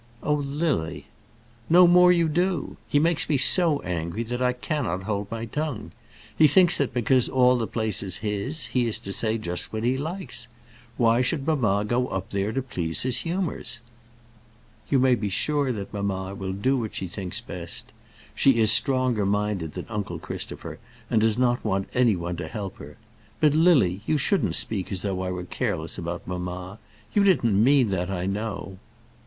"Oh, Lily." "No more you do. He makes me so angry that I cannot hold my tongue. He thinks that because all the place is his, he is to say just what he likes. Why should mamma go up there to please his humours?" "You may be sure that mamma will do what she thinks best. She is stronger minded than uncle Christopher, and does not want any one to help her. But, Lily, you shouldn't speak as though I were careless about mamma. You didn't mean that, I know."